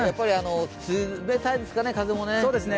冷たいですね、風もね。